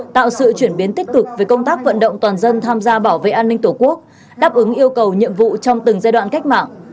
tạo sự chuyển biến tích cực về công tác vận động toàn dân tham gia bảo vệ an ninh tổ quốc đáp ứng yêu cầu nhiệm vụ trong từng giai đoạn cách mạng